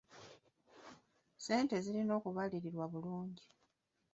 Ssente zirina okubalirirwa bulungi.